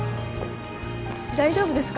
大丈夫ですか？